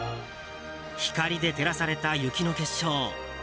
光で照らされた雪の結晶。